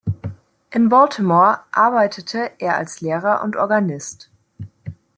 In Baltimore arbeitete er als Lehrer und Organist.